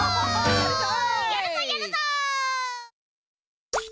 やるぞやるぞ！